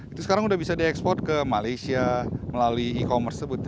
itu sekarang sudah bisa diekspor ke malaysia melalui e commerce tersebut